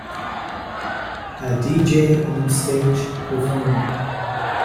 A DJ on stage performing.